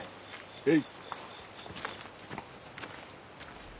へい。